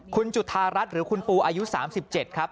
คุณจุธารัฐหรือคุณปูอายุ๓๗ครับ